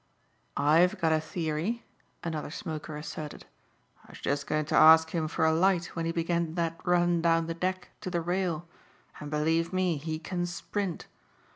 "I've got a theory," another smoker asserted. "I was just going to ask him for a light when he began that run down the deck to the rail and believe me he can sprint.